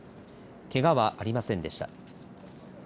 けがはありませんでした。